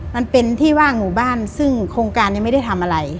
มันเป็นที่ว่างหมู่บ้านซึ่งโครงการยังไม่ได้ทำอะไร